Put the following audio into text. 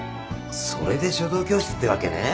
それで書道教室ってわけね。